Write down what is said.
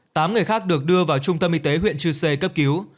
tám người khác được đưa vào trung tâm y tế huyện chư sê cấp cứu